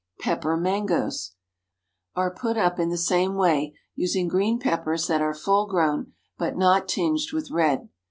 PEPPER MANGOES. ✠ Are put up in the same way, using green peppers that are full grown, but not tinged with red.